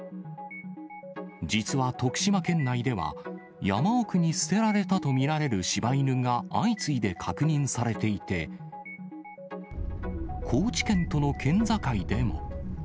実は徳島県内では、山奥に捨てられたと見られるしば犬が相次いで確認されていて、高知県との県境でも。